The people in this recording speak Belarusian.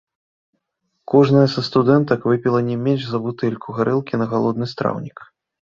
Кожная са студэнтак выпіла не менш за бутэльку гарэлкі на галодны страўнік.